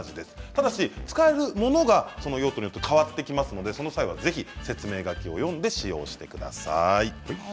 ただし使えるものが用途によって変わってきますのでその際は、ぜひ説明書きを読んで使用してください。